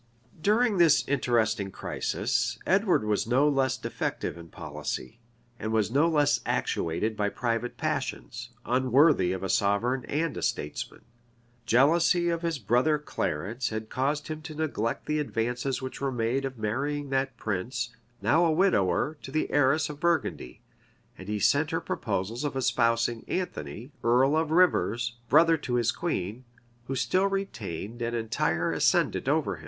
During this interesting crisis, Edward was no less defective in policy, and was no less actuated by private passions, unworthy of a sovereign and a statesman. Jealousy of his brother Clarence had caused him to neglect the advances which were made of marrying that prince, now a widower, to the heiress of Burgundy;[] and he sent her proposals of espousing Anthony, earl of Rivers, brother to his queen, who still retained an entire ascendant over him.